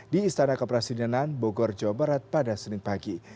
di istana kepresidenan bogor jawa barat pada senin pagi